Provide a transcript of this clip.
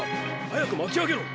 早く巻きあげろ！